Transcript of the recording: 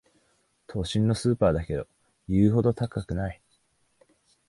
都心のスーパーだけど言うほど高くない